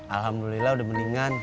alhamdulillah udah meninggal